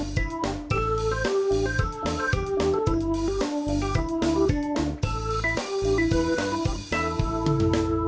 โปรดติดตามโปรดติดตาม